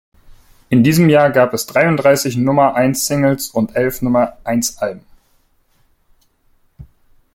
In diesem Jahr gab es dreiunddreißig Nummer-eins-Singles und elf Nummer-eins-Alben.